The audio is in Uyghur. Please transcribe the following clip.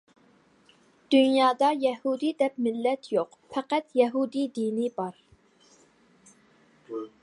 دۇنيادا يەھۇدىي دەپ مىللەت يوق پەقەت يەھۇدىي دىنى بار.